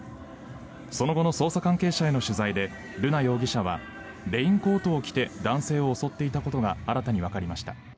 その後の捜査関係者への取材で瑠奈容疑者はレインコートを着て男性を襲っていたことが新たにわかりました。